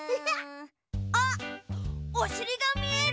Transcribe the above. あっおしりがみえる！